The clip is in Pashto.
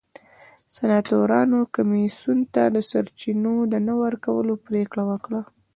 سناتورانو کمېسیون ته د سرچینو د نه ورکولو پرېکړه وکړه.